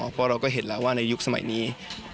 เพราะเราก็เห็นแล้วว่าในยุคสมัยนี้